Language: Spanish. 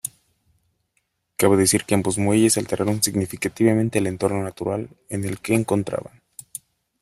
Cabe decir que ambos muelles alteraron significativamente el entorno natural en el que encontraban.